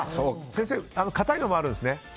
先生、硬いのもあるんですね。